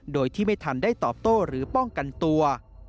โดยที่ไม่ทันได้ตอบโต้หรือป้องกันตัว